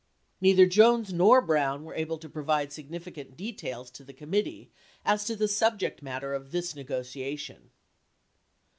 Neither Jones nor Brown were able to provide significant details to the committee as to the subject matter of this negotiation.